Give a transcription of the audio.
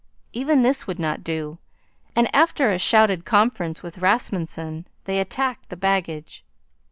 Even this would not do, and, after a shouted conference with Rasmunsen, they attacked the baggage.